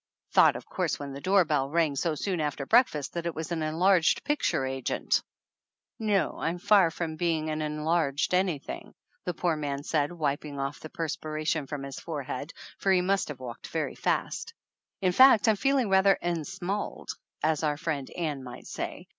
Thought of course when the door bell rang so soon after breakfast that it was an enlarged picture agent!" "No, I'm far from being an enlarged any thing," the poor man said, wiping off the per 215 THE ANNALS OF ANN spi ration from his forehead, for he must have walked very fast. "In fact, I'm feeling rather 'ensmalled,' as our friend, Ann, might say.